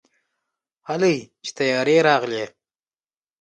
هلئ چې طيارې راغلې.